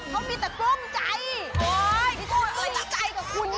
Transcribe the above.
เขามีแต่กู้ใจ